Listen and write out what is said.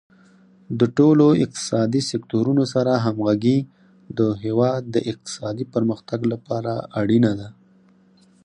د ټولو اقتصادي سکتورونو سره همغږي د هیواد د اقتصادي پرمختګ لپاره اړینه ده.